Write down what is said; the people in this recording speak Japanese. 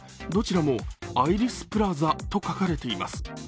どちらもアイリスプラザと書かれています。